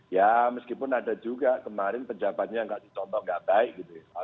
ya meskipun ada juga kemarin penjawabannya yang gak dicontoh gak baik gitu ya